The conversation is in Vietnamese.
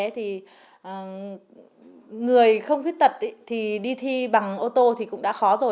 thì người không khuyết tật thì đi thi bằng ô tô thì cũng đã khó rồi